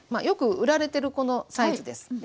よく売られてるこのサイズです。